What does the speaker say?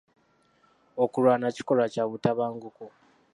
Okulwana kikolwa kya butabanguko.